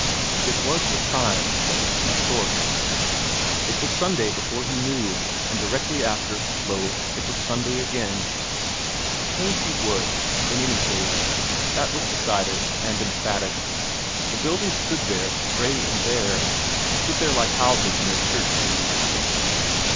Time it was the time that was too short. It was Sunday before he knew, and then directly after, lo it was Sunday again! Paint he would, in any case; that was decided and emphatic. The buildings stood there grey and bare stood there like houses in their shirt sleeves.